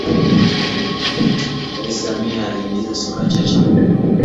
Rais Samia ameingiza sura chache mpya katika ngazi hiyo ya utawala